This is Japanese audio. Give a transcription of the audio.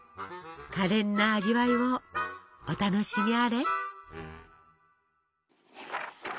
かれんな味わいをお楽しみあれ。